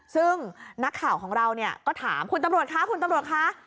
ซึ่งนักข่าวของเราก็ถามคุณตำรวจคะคุณตำรวจคะ